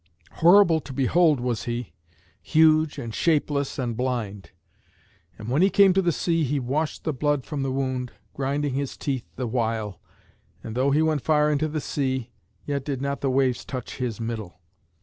Horrible to behold was he, huge and shapeless and blind. And when he came to the sea he washed the blood from the wound, grinding his teeth the while, and though he went far into the sea, yet did not the waves touch his middle.